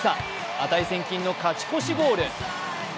値千金の勝ち越しゴール。